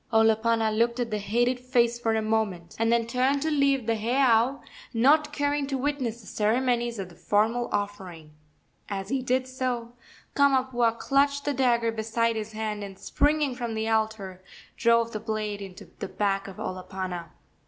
Olopana looked at the hated face for a moment, and then turned to leave the heiau, not caring to witness the ceremonies of the formal offering. As he did so Kamapuaa clutched the dagger beside his hand, and, springing from the altar, drove the blade into the back of Olopana.